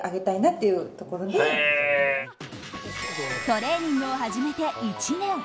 トレーニングを始めて１年。